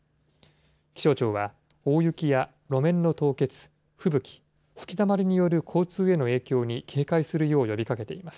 気象庁は、大雪や路面の凍結、吹雪、吹きだまりによる交通への影響に警戒するよう呼びかけています。